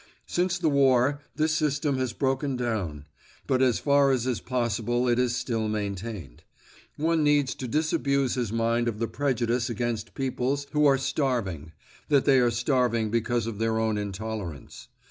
Since the war this system has broken down; but as far as is possible it is still maintained. One needs to disabuse his mind of the prejudice against peoples who are starving, that they are starving because of their own intolerance.